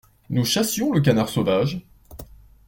Nous chassions le canard sauvage…